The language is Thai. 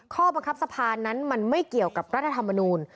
ข้อบังคับสภานั้นมันไม่เกี่ยวกับรัฐธรรมนูล